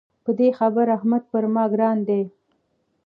په دې خبره احمد پر ما ګران دی.